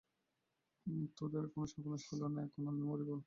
তোদের এখনও সর্বনাশ হইল না, আর আমি মরিব!